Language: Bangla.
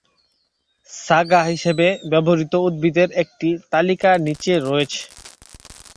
সাগা হিসাবে ব্যবহৃত উদ্ভিদের একটি তালিকা নিচে রয়েছে।